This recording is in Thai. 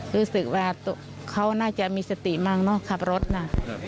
รู้สึกว่าเขาน่าจะมีสติมากนอกขับรถนะ